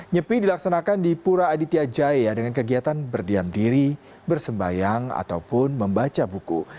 nyepi dilaksanakan di pura aditya jaya dengan kegiatan berdiam diri bersembayang ataupun membaca buku